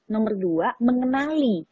nomor dua mengenali